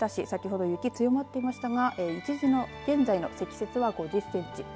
先ほど雪、強まっていましたが１時現在の積雪は５０センチ。